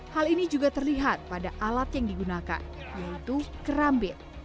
hal ini juga terlihat pada alat yang digunakan yaitu kerambit